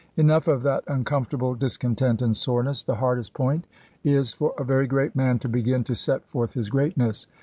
Enough of that uncomfortable discontent and soreness. The hardest point is for a very great man to begin to set forth his greatness.